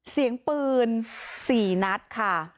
เสียงปืน๔นัดค่ะ